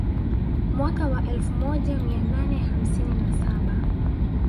Mwaka wa elfu moja mia nane hamsini na saba